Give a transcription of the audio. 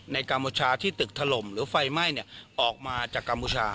กัมพูชาที่ตึกถล่มหรือไฟไหม้ออกมาจากกัมพูชา